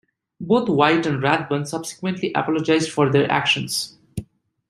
Both White and Rathbun subsequently apologized for their actions.